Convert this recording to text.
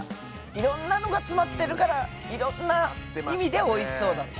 いろんなのが詰まってるからいろんな意味でおいしそうだった。